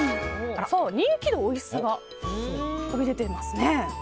人気度、おいしさが飛び出ていますね。